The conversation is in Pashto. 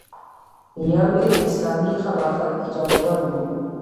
یو یې د اسلامي خلافت ایجادول و.